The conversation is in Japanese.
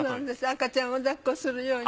赤ちゃんをだっこするように。